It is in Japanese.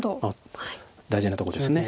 大事なとこです。